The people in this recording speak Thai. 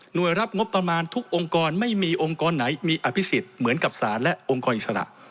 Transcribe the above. โดยรับงบประมาณทุกองค์กรไม่มีองค์กรไหนมีอภิษฎเหมือนกับศาลและองค์กรอิสระ